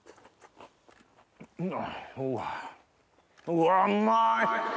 うわうまい！